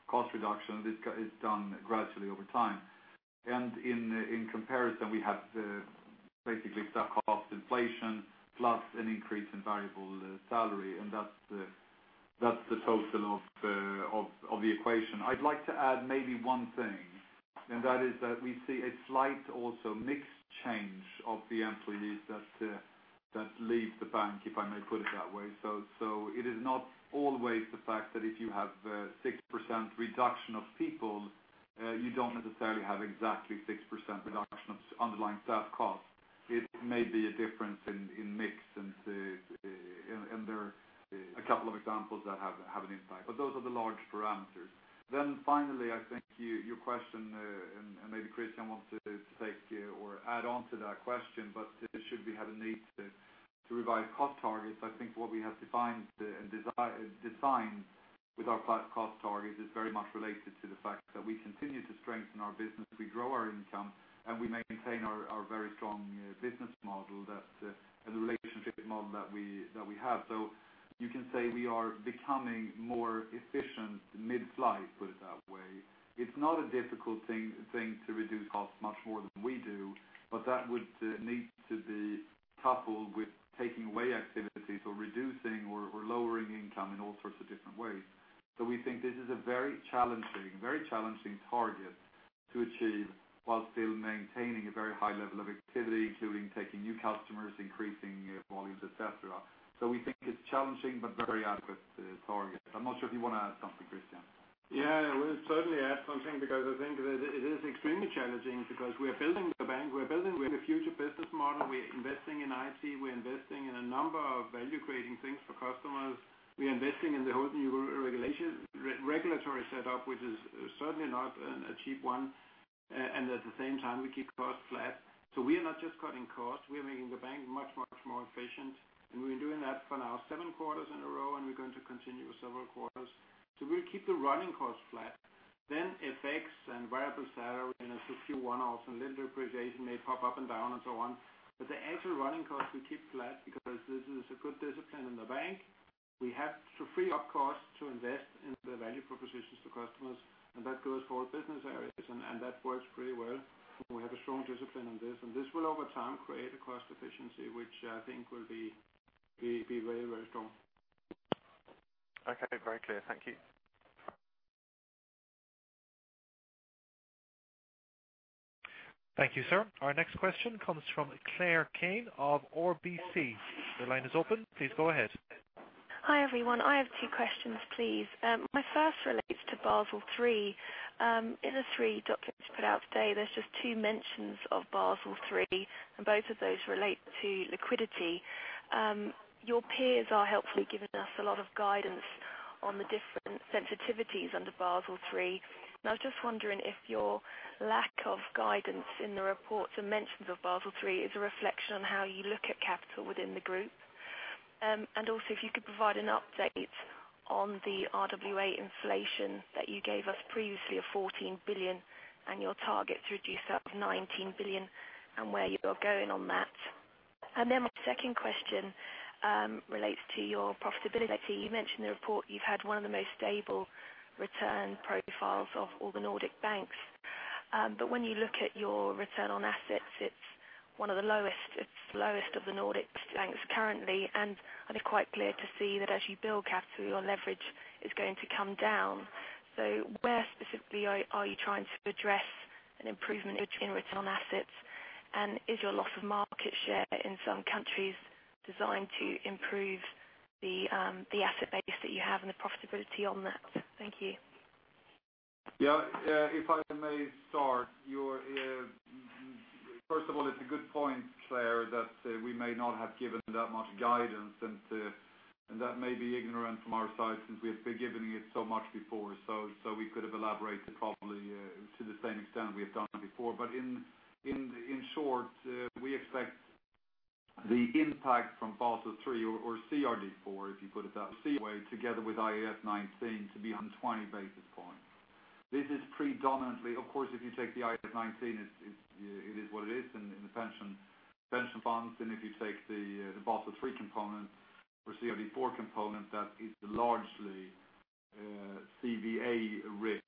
cost reduction. It's done gradually over time. In comparison, we have basically staff cost inflation plus an increase in variable salary, and that's That's the total of the equation. I'd like to add maybe 1 thing, and that is that we see a slight also mix change of the employees that leave the bank, if I may put it that way. It is not always the fact that if you have 6% reduction of people, you don't necessarily have exactly 6% reduction of underlying staff costs. It may be a difference in mix and there are a couple of examples that have an impact. Those are the large parameters. Finally, I think your question, and maybe Christian wants to take or add on to that question, should we have a need to revise cost targets, I think what we have defined and designed with our cost target is very much related to the fact that we continue to strengthen our business, we grow our income, and we maintain our very strong business model and the relationship model that we have. You can say we are becoming more efficient mid-flight, put it that way. It's not a difficult thing to reduce costs much more than we do, but that would need to be coupled with taking away activities or reducing or lowering income in all sorts of different ways. We think this is a very challenging target to achieve while still maintaining a very high level of activity, including taking new customers, increasing volumes, et cetera. We think it's challenging but very adequate target. I'm not sure if you want to add something, Christian. Yeah, I will certainly add something because I think that it is extremely challenging because we are building the bank, we are building the future business model, we are investing in IT, we are investing in a number of value creating things for customers. We are investing in the whole new regulatory setup which is certainly not a cheap one, at the same time we keep costs flat. We are not just cutting costs, we are making the bank much more efficient. We've been doing that for now seven quarters in a row, and we're going to continue several quarters. We keep the running costs flat. Effects and variable salary and Q1 lender appreciation may pop up and down and so on. The actual running costs we keep flat because this is a good discipline in the bank. We have to free up costs to invest in the value propositions to customers, that goes for all business areas, that works pretty well. We have a strong discipline on this. This will over time create a cost efficiency, which I think will be very strong. Okay, very clear. Thank you. Thank you, sir. Our next question comes from Claire Kane of RBC. Your line is open. Please go ahead. Hi, everyone. I have two questions, please. My first relates to Basel III. In the three documents you put out today, there's just two mentions of Basel III, and both of those relate to liquidity. Your peers are helpfully giving us a lot of guidance on the different sensitivities under Basel III. I was just wondering if your lack of guidance in the reports and mentions of Basel III is a reflection on how you look at capital within the group. Also if you could provide an update on the RWA inflation that you gave us previously of €14 billion and your target to reduce that of €19 billion and where you are going on that. My second question relates to your profitability. You mentioned in the report you've had one of the most stable return profiles of all the Nordic banks. When you look at your return on assets, it's one of the lowest. It's the lowest of the Nordic banks currently, and it is quite clear to see that as you build capital, your leverage is going to come down. Where specifically are you trying to address an improvement in return on assets? Is your loss of market share in some countries designed to improve the asset base that you have and the profitability on that? Thank you. If I may start. First of all, it's a good point, Claire, that we may not have given that much guidance, and that may be ignorant from our side since we have been giving it so much before. We could have elaborated probably to the same extent we have done before. In short, we expect the impact from Basel III or CRD IV, if you put it that way, together with IAS 19 to be 120 basis points. This is predominantly, of course, if you take the IAS 19, it is what it is in the pension funds, and if you take the Basel III component or CRD IV component, that is largely CVA risk.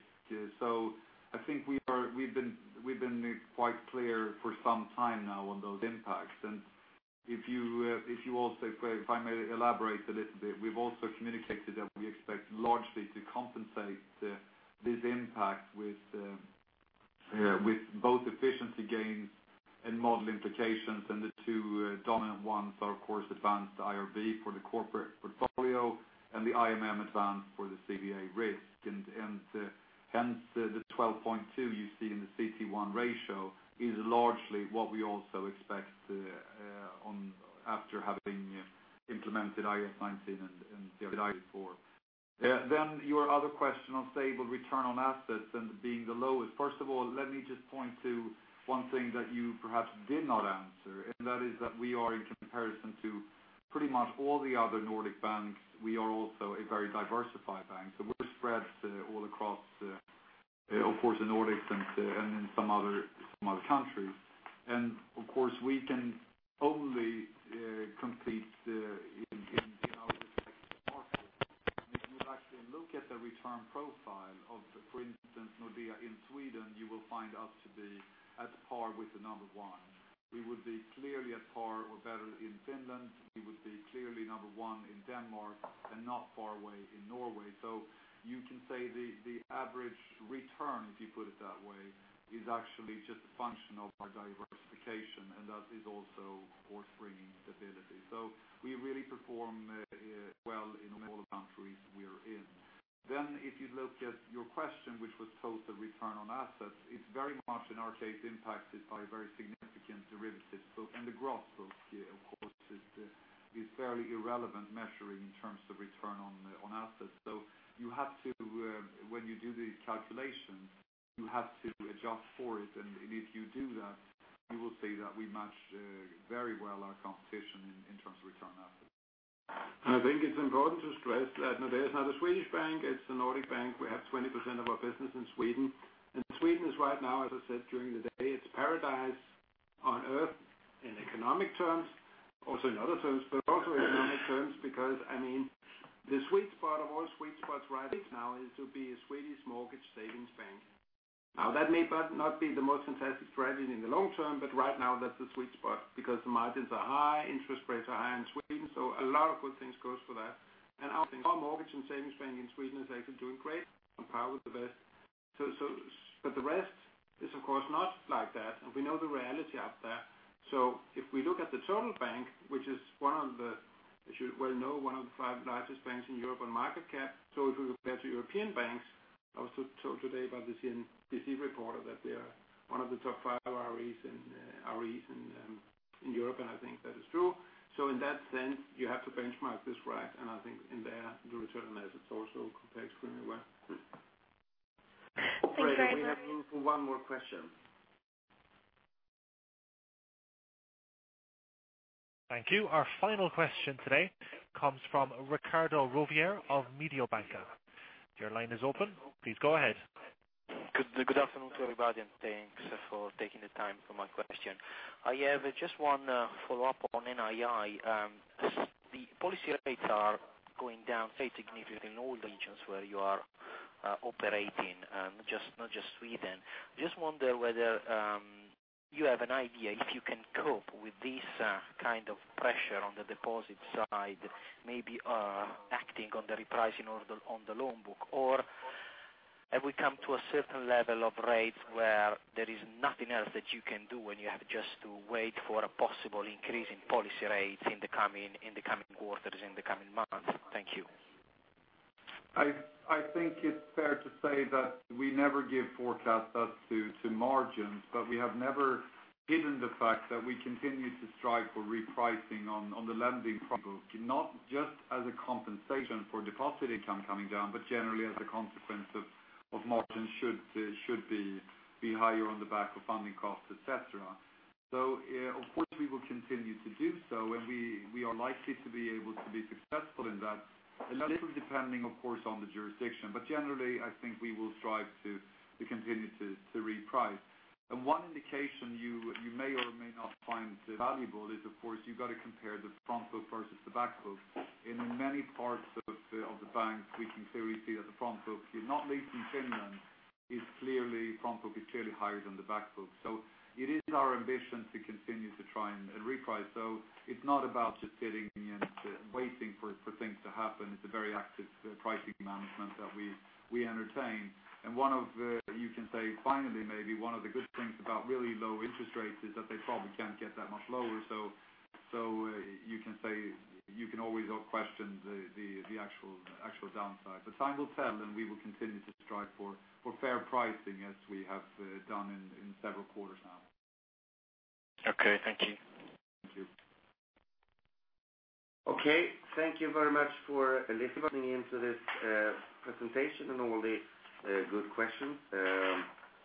I think we've been quite clear for some time now on those impacts. If you also, if I may elaborate a little bit, we've also communicated that we expect largely to compensate this impact with both efficiency gains and model implications, and the two dominant ones are, of course, advanced IRB for the corporate portfolio and the advanced IMM for the CVA risk. Hence the 12.2 you see in the CET1 ratio is largely what we also expect after having implemented IAS 19 and CRD IV. Your other question on stable return on assets and being the lowest. First of all, let me just point to one thing that you perhaps did not answer, and that is that we are in comparison to pretty much all the other Nordic banks. We are also a very diversified bank, we are spread all across, of course, the Nordics and in some other countries. Of course, we can only compete in our respective market with- Look at the return profile of, for instance, Nordea in Sweden, you will find us to be at par with the number one. We would be clearly at par or better in Finland. We would be clearly number one in Denmark and not far away in Norway. You can say the average return, if you put it that way, is actually just a function of our diversification, and that is also of course bringing stability. We really perform well in all the countries we are in. If you look at your question, which was total return on assets, it's very much in our case impacted by very significant derivatives book and the gross book, of course, is fairly irrelevant measuring in terms of return on assets. When you do the calculation, you have to adjust for it. If you do that, you will see that we match very well our competition in terms of return on assets. I think it's important to stress that Nordea is not a Swedish bank, it's a Nordic bank. We have 20% of our business in Sweden. Sweden is right now, as I said, during the day, it's paradise on earth in economic terms, also in other terms, but also in economic terms, because the sweet spot of all sweet spots right now is to be a Swedish mortgage savings bank. That may not be the most fantastic strategy in the long term, but right now that's the sweet spot because the margins are high, interest rates are high in Sweden. A lot of good things goes for that. I think our mortgage and savings bank in Sweden is actually doing great on par with the best. The rest is, of course, not like that, and we know the reality out there. If we look at the total bank, which is one of the, as you well know, one of the five largest banks in €ope on market cap. If we compare to €opean banks, I was told today by the CNBC reporter that they are one of the top five ROEs in €ope, I think that is true. In that sense, you have to benchmark this right. I think in there, the return on assets also compares extremely well. Thanks very much. Great. We have room for one more question. Thank you. Our final question today comes from Riccardo Rovere of Mediobanca. Your line is open. Please go ahead. Good afternoon to everybody. Thanks for taking the time for my question. I have just one follow-up on NII. The policy rates are going down very significantly in all the regions where you are operating, not just Sweden. I just wonder whether you have an idea if you can cope with this kind of pressure on the deposit side, maybe acting on the repricing on the loan book. Have we come to a certain level of rates where there is nothing else that you can do, and you have just to wait for a possible increase in policy rates in the coming quarters, in the coming months? Thank you. I think it's fair to say that we never give forecasts as to margins. We have never hidden the fact that we continue to strive for repricing on the lending front book, not just as a compensation for deposit income coming down, generally as a consequence of margins should be higher on the back of funding costs, et cetera. Of course, we will continue to do so, and we are likely to be able to be successful in that, a little depending, of course, on the jurisdiction. Generally, I think we will strive to continue to reprice. One indication you may or may not find valuable is, of course, you've got to compare the front book versus the back book. In many parts of the bank, we clearly see that the front book, not least in Finland, front book is clearly higher than the back book. It is our ambition to continue to try and reprice. It's not about just sitting and waiting for things to happen. It's a very active pricing management that we entertain. You can say finally, maybe one of the good things about really low interest rates is that they probably can't get that much lower. You can always question the actual downside. Time will tell, and we will continue to strive for fair pricing as we have done in several quarters now. Okay. Thank you. Thank you. Thank you very much for listening in to this presentation and all the good questions.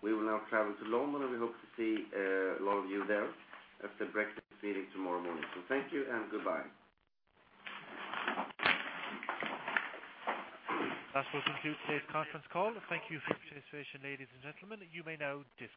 We will now travel to London, and we hope to see a lot of you there at the breakfast meeting tomorrow morning. Thank you and goodbye. That will conclude today's conference call. Thank you for your participation, ladies and gentlemen. You may now disconnect.